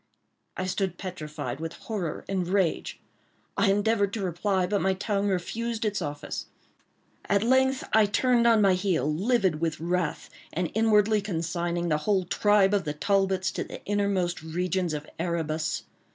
I stood petrified with horror and rage. I endeavored to reply, but my tongue refused its office. At length I turned on my heel, livid with wrath, and inwardly consigning the whole tribe of the Talbots to the innermost regions of Erebus.